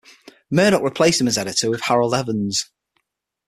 Murdoch replaced him as editor with Harold Evans.